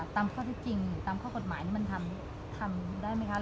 ตามข้อที่จริงตามข้อกฎหมายมันทำได้มั้ยครับ